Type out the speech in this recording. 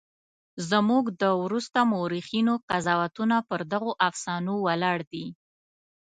زموږ د وروسته مورخینو قضاوتونه پر دغو افسانو ولاړ دي.